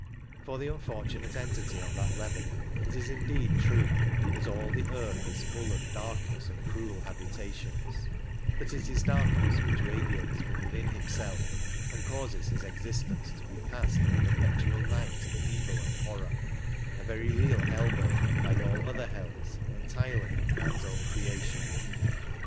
For the unfortunate entity on that level it is indeed true that all the earth is full of darkness and cruel habita tions," but it is darkness which radiates from within himself and causes his existence to be passed in a perpetual night of evil and horror — a very real hell, though, like all other hells, entirely of man's own creation.